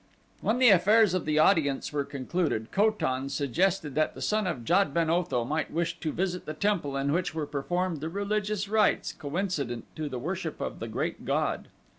When the affairs of the audience were concluded Ko tan suggested that the son of Jad ben Otho might wish to visit the temple in which were performed the religious rites coincident to the worship of the Great God.